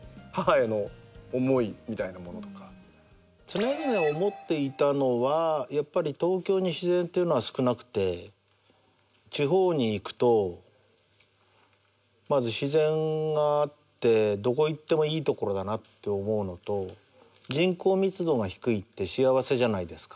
常々思っていたのはやっぱり東京に自然っていうのは少なくて地方に行くとまず自然があってどこ行ってもいい所だなって思うのと人口密度が低いって幸せじゃないですか。